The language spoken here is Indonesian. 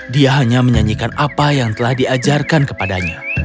dia hanya menyanyikan apa yang telah diajarkan kepadanya